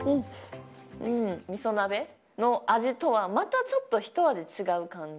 みそ鍋の味とはまたちょっと、ひと味違う感じ。